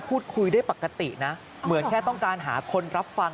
พูดคุยได้ปกตินะเหมือนแค่ต้องการหาคนรับฟัง